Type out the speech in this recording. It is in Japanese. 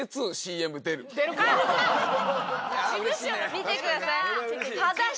見てください。